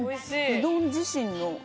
うどん自身の。